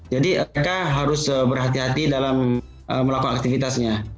jadi mereka harus berhati hati dalam melakukan aktivitasnya